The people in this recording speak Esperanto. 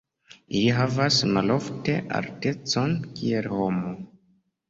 Ili havas malofte altecon kiel homo.